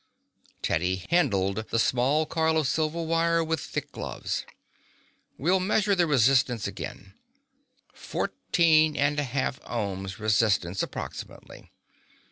Teddy handled the small coil of silver wire with thick gloves. "We'll measure the resistance again. Fourteen and a half ohms resistance, approximately.